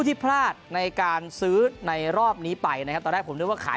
ที่พลาดในการซื้อในรอบนี้ไปนะครับตอนแรกผมนึกว่าขาย